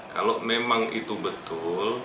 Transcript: kalau memang itu betul